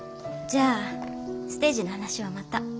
じゃあステージの話はまた。